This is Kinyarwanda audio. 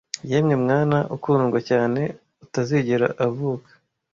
yemwe mwana ukundwa cyane utazigera avuka